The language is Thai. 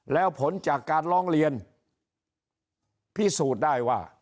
แล้วผลจากการร้องเรียนพิสูจน์ได้ว่า